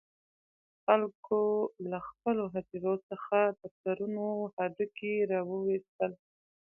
خلکو له خپلو هدیرو څخه د پلرونو هډوکي را وویستل.